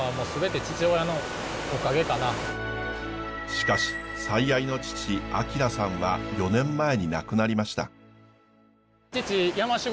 しかし最愛の父晃さんは４年前に亡くなりました。